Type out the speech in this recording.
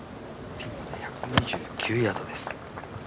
ピンまで１２９ヤードです。